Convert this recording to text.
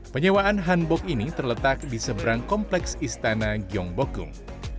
penyewaan hanbok ini terletak di seberang kompleks istana gyeongbokung